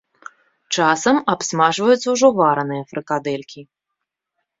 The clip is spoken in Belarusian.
Часам абсмажваюцца ўжо вараныя фрыкадэлькі.